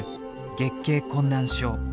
月経困難症。